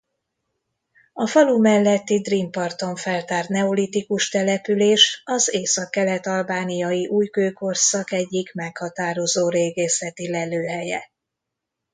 A falu melletti Drin-parton feltárt neolitikus település az északkelet-albániai újkőkorszak egyik meghatározó régészeti lelőhelye.